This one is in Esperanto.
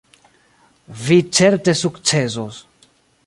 Vi certe sukcesos.